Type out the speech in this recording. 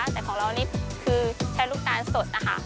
แต่ของเรานี่คือใช้ลูกตาลสดนะคะ